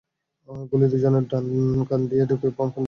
গুলি দুজনের ডান কান দিয়ে ঢুকে বাম কান দিয়ে বের হয়ে গেছে।